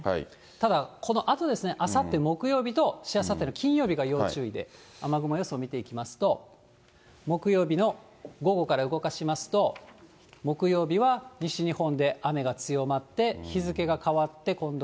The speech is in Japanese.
ただ、このあとですね、あさって木曜日としあさっての金曜日が要注意で、雨雲予想見ていきますと、木曜日の午後から動かしますと、木曜日は西日本で雨が強まって、日付が変わって今度